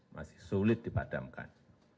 masih sulit dipadamkan